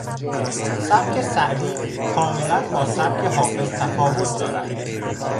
سبک سعدی کاملا با سبک حافظ تفاوت دارد.